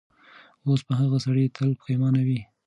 اوس به هغه سړی تل پښېمانه وي.